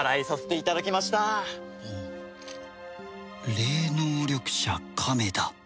霊能力者亀田